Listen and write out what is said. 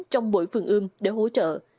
trong mỗi phường ươm để hỗ trợ